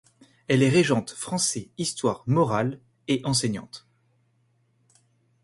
Elle est régente Français-Histoire-Morale et enseignante.